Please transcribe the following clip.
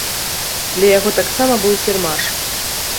Для яго таксама быў кірмаш.